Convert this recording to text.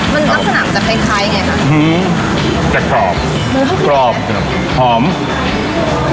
มันนักสนามจะคล้ายคล้ายไงคะอืมแต่กรอบกรอบหอม